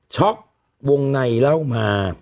ช็อกวงในเล่ามา